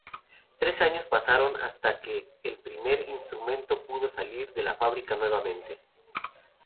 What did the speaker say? Tres años pasaron hasta que el primer instrumento pudo salir de la fábrica nuevamente.